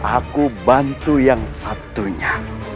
aku bantu yang satunya